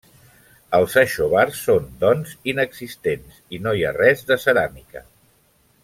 Els aixovars són, doncs, inexistents i no hi ha res de ceràmica.